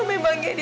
mas izan tau kan